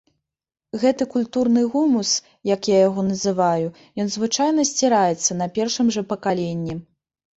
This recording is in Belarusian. Гэты культурны гумус, як я яго называю, ён звычайна сціраецца на першым жа пакаленні.